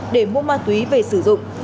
để mua ma túy về sử dụng